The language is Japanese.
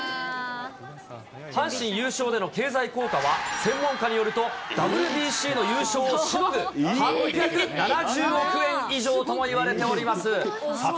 阪神優勝での経済効果は、専門家によると、ＷＢＣの優勝をしのぐ８７０億円以上ともいわれております。